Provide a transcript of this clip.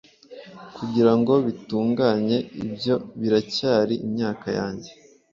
Kugirango bitunganye, ibyo biracyari imyaka yanjye